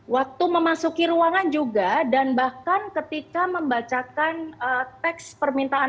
waktu memasuki ruangan juga dan bahkan ketika membacakan teks permintaan